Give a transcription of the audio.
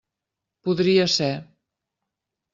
Podria ser.